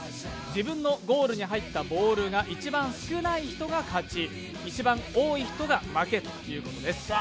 自分のゴールに入ったボールが一番少ない人が勝ち、一番多い人が負けということです。